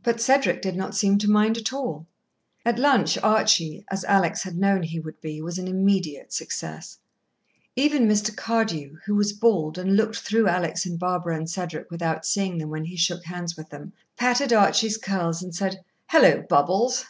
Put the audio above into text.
But Cedric did not seem to mind at all. At lunch Archie, as Alex had known he would be, was an immediate success. Even Mr. Cardew, who was bald and looked through Alex and Barbara and Cedric without seeing them when he shook hands with them, patted Archie's curls and said: "Hullo, Bubbles!"